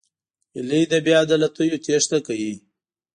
هیلۍ له بېعدالتیو تېښته کوي